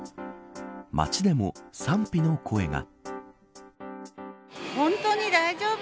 街でも賛否の声が。